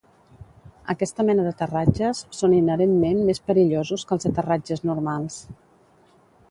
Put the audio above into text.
Aquesta mena d'aterratges són inherentment més perillosos que els aterratges normals.